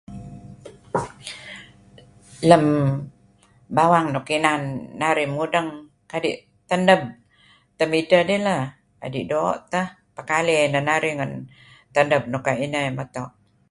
Lam bawang nuk inan narih mudang, kadih tanap tamidtah dih lah...adih doq tah. Pakaley nah narih ngan tanap nuk kuayuh inah matoh.